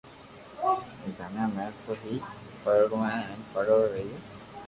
گڻي مي تو ھي ڀريوڙو ھو ھين ڀريوڙو رھئي